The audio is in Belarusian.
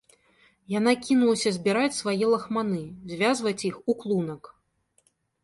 Яна кінулася збіраць свае лахманы, звязваць іх у клунак.